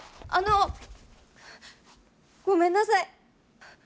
あの！ごめんなさい。